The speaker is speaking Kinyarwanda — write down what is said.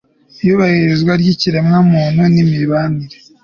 iyubahirizwa ry ikiremwamuntu n imibanire